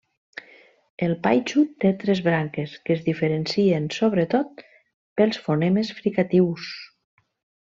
El Paixtu té tres branques que es diferencien sobretot pels fonemes fricatius.